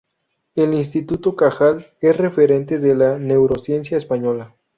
El Instituto Cajal es referente de la neurociencia española.